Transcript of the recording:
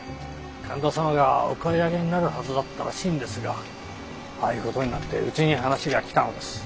神田様がお買い上げになるはずだったらしいんですがああいうことになってうちに話が来たのです。